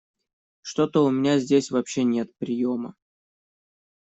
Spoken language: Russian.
Что-то у меня здесь вообще нет приема.